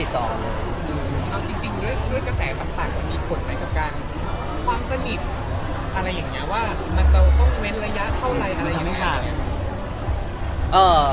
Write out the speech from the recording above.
เอาจริงด้วยกระแสต่างมันมีผลไหมกับการความสนิทอะไรอย่างนี้ว่ามันจะต้องเว้นระยะเท่าไรอะไรอย่างนี้